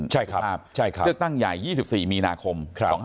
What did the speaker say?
ใช่ครับ๒๔มีนาคม